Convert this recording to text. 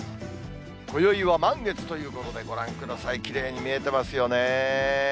こよいは満月ということで、ご覧ください、きれいに見えてますよね。